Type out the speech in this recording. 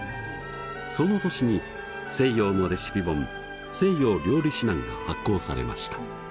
その年に西洋のレシピ本「西洋料理指南」が発行されました。